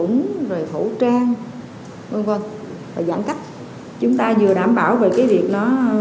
giữa các ứng cử viên